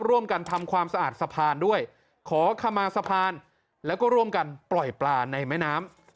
ร่วมกันทำความสะอาดสะพานด้วยขอขมาสะพานแล้วก็ร่วมกันปล่อยปลาในแม่น้ำ